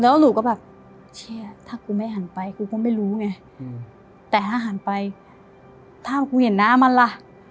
แล้วหนูก็แบบเชื่อถ้ากูไม่หันไปกูก็ไม่รู้ไงแต่ถ้าหันไปถ้ากูเห็นหน้ามันล่ะ